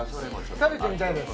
食べてみたいです